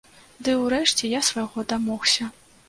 Ды ўрэшце я свайго дамогся.